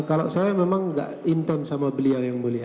kalau saya memang nggak intent sama beliau yang mulia